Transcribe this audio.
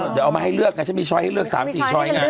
เดี๋ยวเอามาให้เลือกไงฉันมีช้อยให้เลือก๓๔ช้อยไง